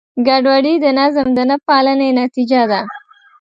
ګډوډي د نظم د نهپالنې نتیجه ده.